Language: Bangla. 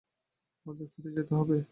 আমাদের ফিরে যেতে হবে।